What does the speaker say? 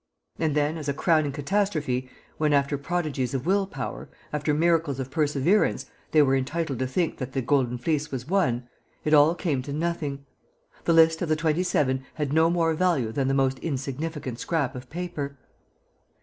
And then, as a crowning catastrophe, when, after prodigies of will power, after miracles of perseverance, they were entitled to think that the Golden Fleece was won, it all came to nothing. The list of the Twenty seven had no more value than the most insignificant scrap of paper.